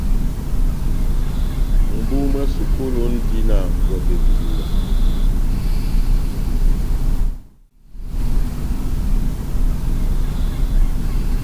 Mʼbu mwá sukulu múndi na ngondɛ dibuwa.